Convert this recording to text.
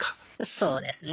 そうですね。